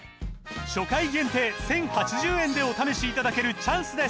初回限定１，０８０円でお試しいただけるチャンスです